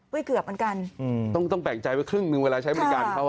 ปุ้ยเกือบเหมือนกันอืมต้องต้องแปลงใจไว้ครึ่งหนึ่งเวลาใช้บริการของเขา